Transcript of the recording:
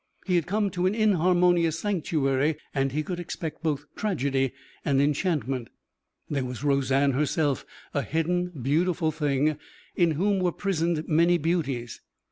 He had come to an inharmonious sanctuary and he could expect both tragedy and enchantment. There was Roseanne herself, a hidden beautiful thing in whom were prisoned many beauties.